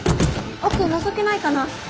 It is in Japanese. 奥のぞけないかな？